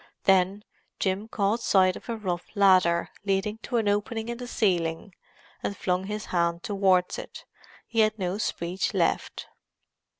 Then Jim caught sight of a rough ladder leading to an opening in the ceiling, and flung his hand towards it; he had no speech left.